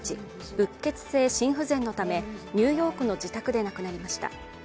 うっ血性心不全のためニューヨークの自宅で亡くなりました。